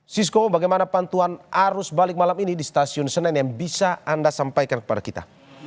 sisko bagaimana pantuan arus balik malam ini di stasiun senen yang bisa anda sampaikan kepada kita